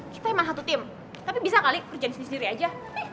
kita emang satu tim tapi bisa kali kerjain sendiri sendiri aja